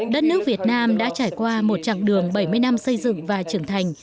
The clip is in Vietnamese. đất nước việt nam đã trải qua một chặng đường bảy mươi năm xây dựng và trưởng thành